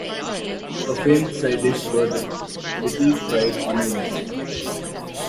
A famed side dish were the "little fried onions".